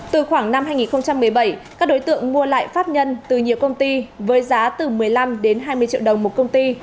từ khoảng năm hai nghìn một mươi bảy các đối tượng mua lại pháp nhân từ nhiều công ty với giá từ một mươi năm hai mươi triệu đồng một công ty